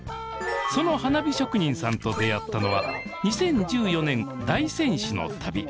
その花火職人さんと出会ったのは２０１４年大仙市の旅。